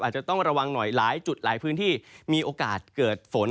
อาจจะต้องระวังหน่อยหลายจุดหลายพื้นที่มีโอกาสเกิดฝน